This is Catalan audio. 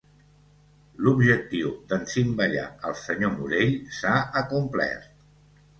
L'objectiu d'encimbellar el senyor Morell s'ha acomplert.